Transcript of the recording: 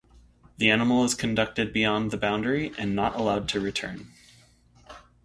The animal is conducted beyond the boundary and not allowed to return.